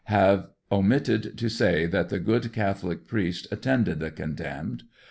Have omitted to say that the good Catholic priest attended the condemned.